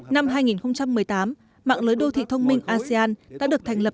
năm hai nghìn một mươi tám mạng lưới đô thị thông minh asean đã được thành lập